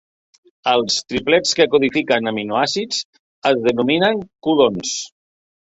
Els triplets que codifiquen aminoàcids es denominen codons.